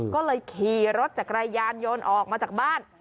ก็เลยขี่รถจักรยานยนต์ออกมาจากบ้าน